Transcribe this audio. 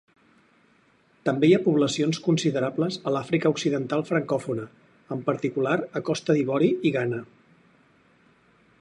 També hi ha poblacions considerables a l'Àfrica occidental francòfona, en particular a Costa d'Ivori i Ghana.